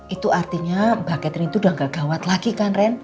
itu artinya bu catherine itu udah gak gawat lagi kan ren